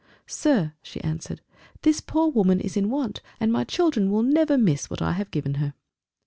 "Sir," she answered, "this poor woman is in want, and my children will never miss what I have given her."